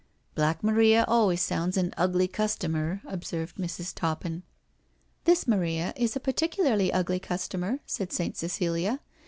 " Black Maria always sounds an ugly customer," observed Mrs. Toppin. " This Maria is a particularly ugly customer," said Saint Cecilia.